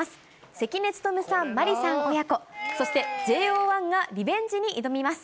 関根勤さん、麻里さん親子、そしてＪＯ１がリベンジに挑みます。